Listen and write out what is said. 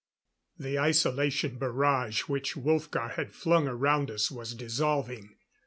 _ The isolation barrage which Wolfgar had flung around us was dissolving.